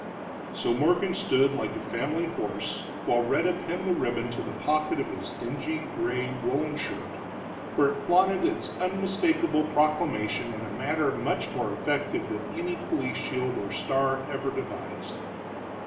So Morgan stood like a family horse while Rhetta pinned the ribbon to the pocket of his dingy gray woolen shirt, where it flaunted its unmistakable proclamation in a manner much more effective than any police shield or star ever devised.